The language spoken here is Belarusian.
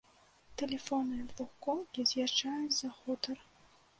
Тэлефонныя двухколкі заязджаюць за хутар.